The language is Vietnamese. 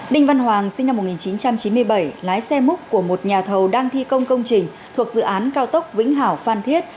đinh văn hoàng sinh năm một nghìn chín trăm chín mươi bảy lái xe múc của một nhà thầu đang thi công công trình thuộc dự án cao tốc vĩnh hảo phan thiết